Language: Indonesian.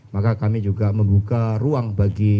maka kami juga membuka ruang bagi